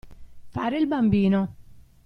Fare il bambino.